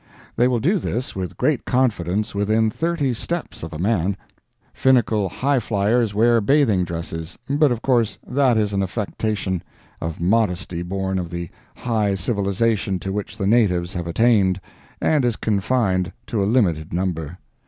They will do this with great confidence within thirty steps of a man. Finical highflyers wear bathing dresses, but of course that is an affectation of modesty born of the high civilization to which the natives have attained, and is confined to a limited number.